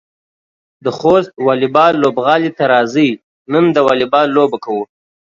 د خوست واليبال لوبغالي ته راځئ، نن د واليبال لوبه کوو.